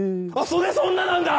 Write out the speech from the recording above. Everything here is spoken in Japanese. それそんななんだ！